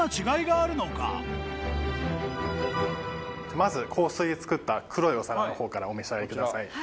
まず硬水で作った仿お皿の方からお召し上がりください。